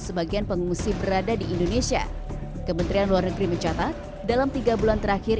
sebagian pengungsi berada di indonesia kementerian luar negeri mencatat dalam tiga bulan terakhir